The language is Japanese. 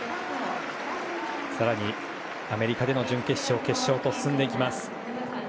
更に、アメリカでの準決勝決勝と進んでいきます。